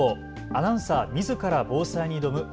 アナウンサーみずから防災に挑む＃